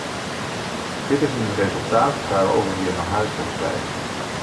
Dit is een resultaat waarover je naar huis kunt schrijven.